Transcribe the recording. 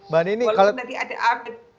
walaupun tadi ada a b dan c